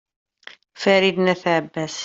farid n at abbas